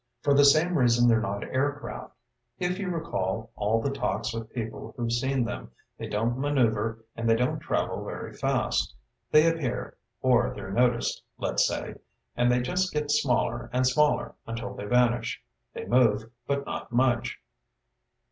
"For the same reason they're not aircraft. If you recall all the talks with people who've seen them, they don't maneuver, and they don't travel very fast. They appear or they're noticed, let's say and they just get smaller and smaller until they vanish. They move, but not much."